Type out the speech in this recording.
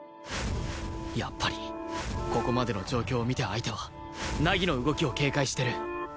やっぱりここまでの状況を見て相手は凪の動きを警戒してる